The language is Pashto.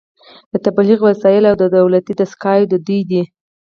د تبلیغ وسایل او دولتي دستګاوې د دوی دي